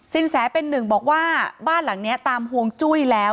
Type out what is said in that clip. แสเป็นหนึ่งบอกว่าบ้านหลังนี้ตามห่วงจุ้ยแล้ว